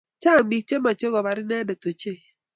Chang pik che mache kobar inendet ochei